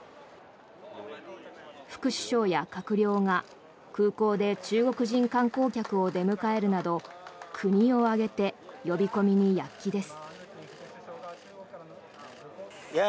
副首相や閣僚が、空港で中国人観光客を出迎えるなど国を挙げて呼び込みに躍起です。